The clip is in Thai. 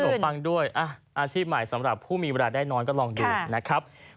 ปังด้วยอาชีพใหม่สำหรับผู้มีเวลาได้นอนก็ลองดูนะครับ